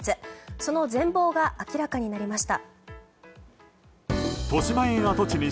その全貌が明らかになりました。